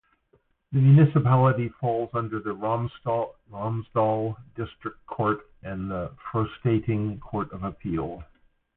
The municipality falls under the Romsdal District Court and the Frostating Court of Appeal.